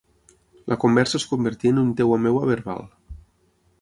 La conversa es convertí en un teva-meva verbal.